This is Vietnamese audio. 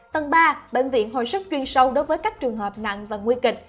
tầng ba bệnh viện hồi sức chuyên sâu đối với các trường hợp nặng và nguy kịch